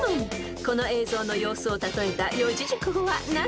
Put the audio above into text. ［この映像の様子を例えた四字熟語は何でしょう］